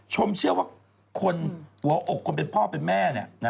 ชมเชื่อว่าคนหัวอกคนเป็นพ่อเป็นแม่